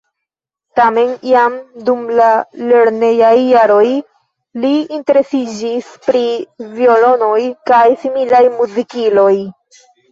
Tamen jam dum la lernejaj jaroj li interesiĝis pri violonoj kaj similaj muzikiloj.